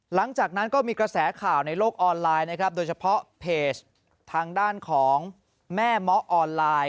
หลังจากนั้นก็มีกระแสข่าวในโลกออนไลน์นะครับโดยเฉพาะเพจทางด้านของแม่เมาะออนไลน์